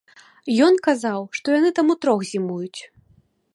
Ён казаў, што яны там утрох зімуюць.